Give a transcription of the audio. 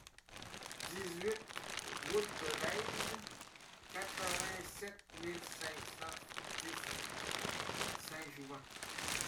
dix-huit route des Lèzes, quatre-vingt-sept mille cinq cent dix Saint-Jouvent